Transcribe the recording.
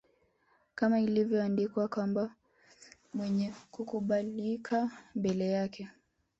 Kama ilivyoandikwa kwamba Mwenye kukubalika mbele yake